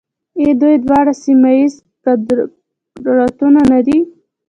آیا دوی دواړه سیمه ییز قدرتونه نه دي؟